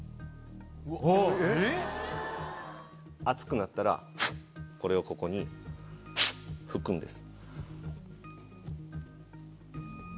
熱くなったらこれをここに吹くんです。